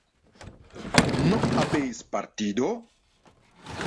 ¿no habéis partido?